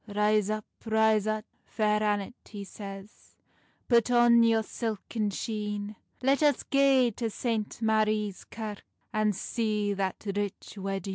"Rise up, rise up, Fair Annet," he says "Put on your silken sheene; Let us gae to St. Marie's Kirke, And see that rich weddeen."